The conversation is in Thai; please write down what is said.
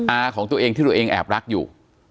อาของตัวเองที่ตัวเองแอบรักอยู่